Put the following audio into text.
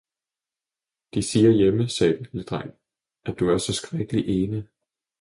De siger hjemme, sagde den lille dreng, at du er så skrækkelig ene!